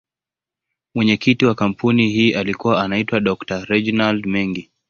Mwenyekiti wa kampuni hii alikuwa anaitwa Dr.Reginald Mengi.